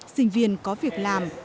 sinh viên có việc làm